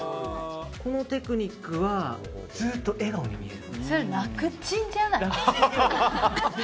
このテクニックはずっと笑顔に見える。